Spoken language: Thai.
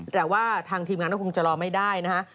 แต่ว่าทางทีมงานก็คงจะรอไม่ได้นะฮะ